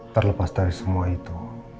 terlepas dari semua itu